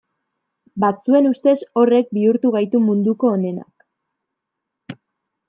Batzuen ustez horrek bihurtu gaitu munduko onenak.